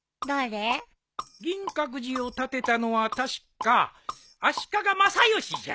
銀閣寺を建てたのは確か足利政義じゃ。